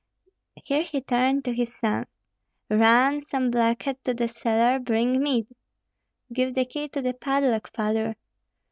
Here he turned to his sons: "Run, some blockhead, to the cellar, bring mead!" "Give the key to the padlock, father."